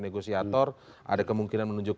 kondisiator ada kemungkinan menunjuk